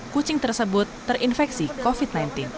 kucing tersebut terinfeksi covid sembilan belas